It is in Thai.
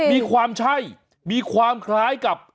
มีความใช่มีความคล้ายกับ